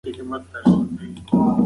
دی له کټه پاڅېږي.